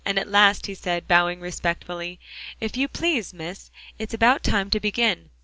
At last he said, bowing respectfully, "If you please, Miss, it's about time to begin.